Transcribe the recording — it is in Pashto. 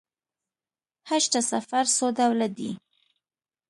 حج ته سفر څو ډوله دی.